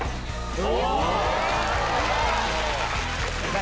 お！